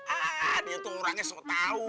ah dia tuh orangnya semua tau